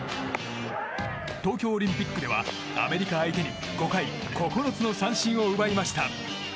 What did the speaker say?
東京オリンピックではアメリカ相手に５回、９つの三振を奪いました。